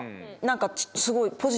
何かすごい。